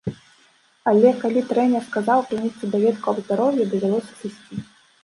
Але калі трэнер сказаў прынесці даведку аб здароўі, давялося сысці.